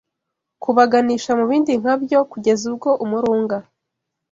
kubaganisha mu bindi nkabyo, kugeza ubwo umurunga